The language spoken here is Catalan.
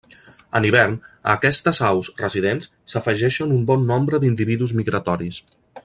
En hivern, a aquestes aus residents, s'afegeixen un bon nombre d'individus migratoris.